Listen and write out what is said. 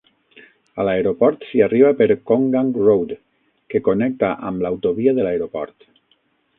A l'aeroport s'hi arriba per Konggang Road, que connecta amb l'autovia de l'aeroport.